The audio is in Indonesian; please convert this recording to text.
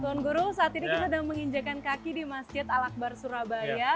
tuan guru saat ini kita sedang menginjakan kaki di masjid al akbar surabaya